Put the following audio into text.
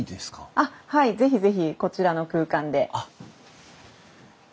あっはい是非是非こちらの空間で。